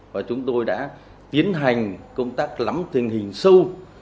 và chúng tôi đã tiến hành công tác lắm tình hình sâu